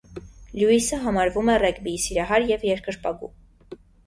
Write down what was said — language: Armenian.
Լյուիսը համարվում է ռեգբիի սիրահար և երկրպագու։